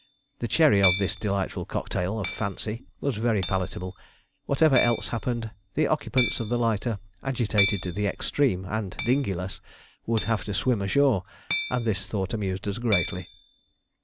The cherry of this delightful cocktail of fancy was very palatable; whatever else happened, the occupants of the lighter, agitated to the extreme and dinghyless, would have to swim ashore, and this thought amused us greatly.